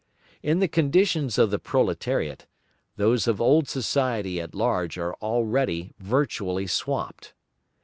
In the conditions of the proletariat, those of old society at large are already virtually swamped.